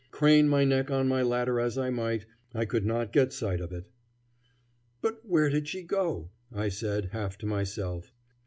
Crane my neck on my ladder as I might I could not get sight of it. "But where did she go?" I said, half to myself.